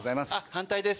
反対です。